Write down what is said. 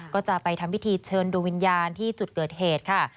ก็จะไปทำพิธีเชิญดูวิญญาณที่จุดเกิดเหตุค่ะ